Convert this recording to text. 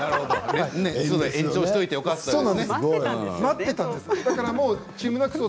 延長しておいてよかったですね。